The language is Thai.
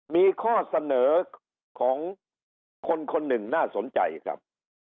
มีข้อเสนอของคนคนหนึ่งน่าสนใจครับ